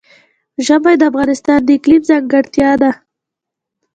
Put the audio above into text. ژمی د افغانستان د اقلیم ځانګړتیا ده.